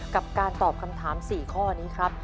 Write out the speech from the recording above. กับการตอบคำถาม๔ข้อนี้ครับ